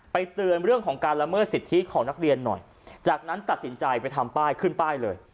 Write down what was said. เตือนเรื่องของการละเมิดสิทธิของนักเรียนหน่อยจากนั้นตัดสินใจไปทำป้ายขึ้นป้ายเลย